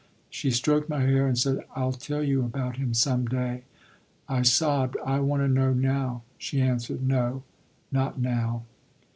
She stroked my hair and said: "I'll tell you about him some day." I sobbed: "I want to know now." She answered: "No, not now."